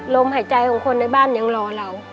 ลมหายใจของคนในบ้านยังรอเรา